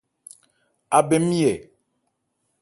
Abɛn nmi ɛ ?